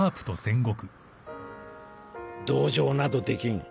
同情などできん。